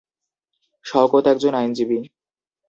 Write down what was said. শওকত একজন আইনজীবী।